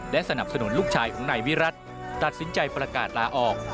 สนับสนุนลูกชายของนายวิรัติตัดสินใจประกาศลาออก